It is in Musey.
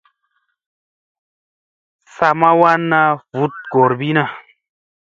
Sa ma wanna vut gorbina.